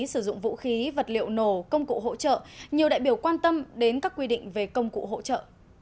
sử dụng vũ khí vật liệu nổ công cụ hỗ trợ nhiều đại biểu quan tâm đến các quy định về công cụ hỗ trợ